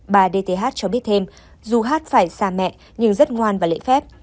bà dth cho biết thêm dù hát phải xa mẹ nhưng rất ngoan và lễ phép